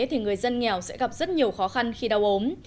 thì người dân nghèo sẽ gặp rất nhiều khó khăn khi đau ốm